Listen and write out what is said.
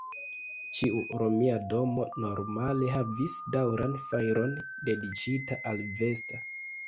Ĉiu romia domo normale havis daŭran fajron dediĉita al Vesta.